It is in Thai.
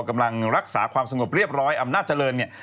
กำลังรักษาความสงบเรียบร้อยอำนาจเจริญเนี่ย